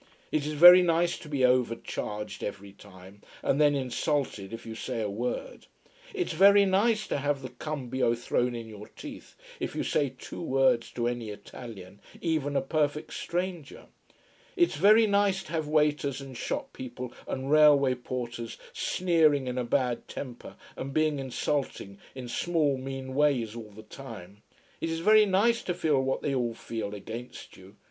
It is very nice to be overcharged every time, and then insulted if you say a word. It's very nice to have the cambio thrown in your teeth, if you say two words to any Italian, even a perfect stranger. It's very nice to have waiters and shop people and railway porters sneering in a bad temper and being insulting in small, mean ways all the time. It's very nice to feel what they all feel against you.